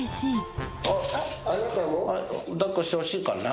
抱っこしてほしいかな？